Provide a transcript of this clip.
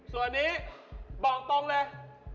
ส่วนนี้บอกตรงเลย